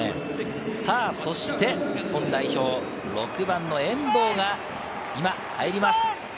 そして、日本代表・６番の遠藤が今、入ります。